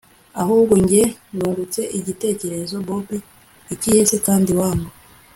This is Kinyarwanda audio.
ahubwo njye nungutse igitekerezo! bobi ikihe se kandi wangu